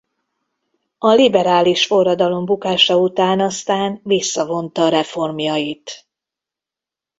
A liberális forradalom bukása után aztán visszavonta reformjait.